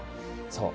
そう。